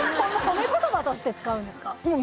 褒め言葉として使うんですか？